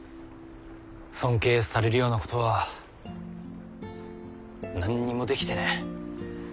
尊敬されるようなことは何にもできてねえ。